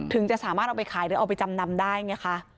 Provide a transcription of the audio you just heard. จะสามารถเอาไปขายหรือเอาไปจำนำได้ไงคะ